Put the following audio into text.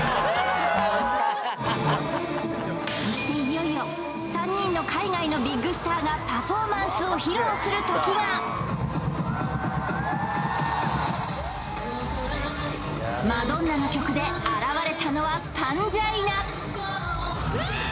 そしていよいよ３人の海外のビッグスターがパフォーマンスを披露するときがマドンナの曲で現れたのはパンジャイナイエーイ